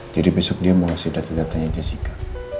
jadi besok dia mau ngasih data datanya jessica